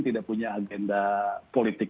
tidak punya agenda politik